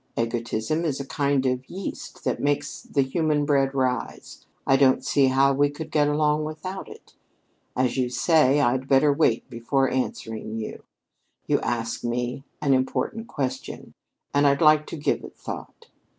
Egotism is a kind of yeast that makes the human bread rise. I don't see how we could get along without it. As you say, I'd better wait before answering you. You've asked me an important question, and I'd like to give it thought.